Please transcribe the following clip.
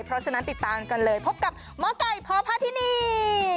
เพราะฉะนั้นติดตามกันเลยพบกับหมอไก่พพาธินี